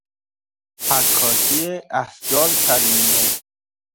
حکاکی احجار کریمه